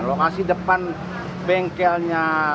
nah lokasi depan bengkelnya itu itu sudah tutup